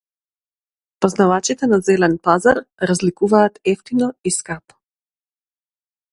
Познавачите на зелен пазар разликуваат евтино и скапо.